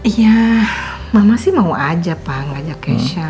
iya mama sih mau ajak pak ngajak kesya